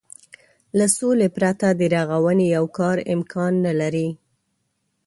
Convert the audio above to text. له سولې پرته د رغونې يو کار امکان نه لري.